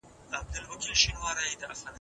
د حاملګي ضد دواوې د وریښتانو توېدو اغیز لري.